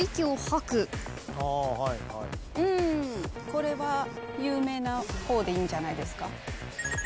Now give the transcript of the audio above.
これは有名な方でいいんじゃないですか。